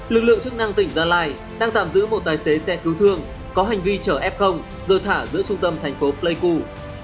lực lượng chức năng tỉnh gia lai đang tạm giữ một tài xế xe cứu thương có hành vi chở f rồi thả giữa trung tâm thành phố pleiku